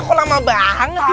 kok lama banget